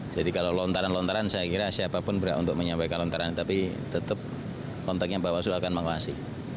jadi kalau lontaran lontaran saya kira siapapun berat untuk menyampaikan lontaran tapi tetap kontaknya bawaslu akan mengawasi